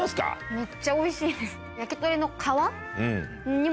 めっちゃおいしいです。